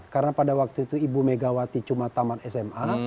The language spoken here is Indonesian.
karena pada waktu itu ibu megawati cuma tamat sma